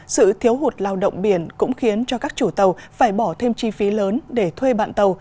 sự thiếu hụt lao động biển cũng khiến cho các chủ tàu phải bỏ thêm chi phí lớn để thuê bạn tàu